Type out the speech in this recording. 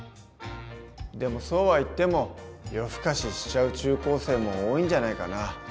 でもそうはいっても夜更かししちゃう中高生も多いんじゃないかな？